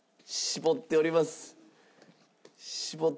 絞っておりますが。